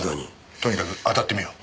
とにかくあたってみよう。